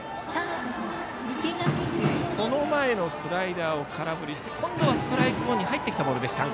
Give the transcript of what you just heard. その前のスライダーを空振りして今度はストライクゾーンに入ってきたボールでした。